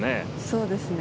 そうですね。